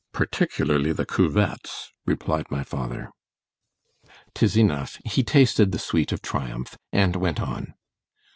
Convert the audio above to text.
——Particularly the cuvetts; replied my father. 'Tis enough—he tasted the sweet of triumph—and went on.